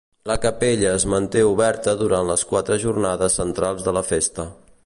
La capella es manté oberta durant les quatre jornades centrals de la festa.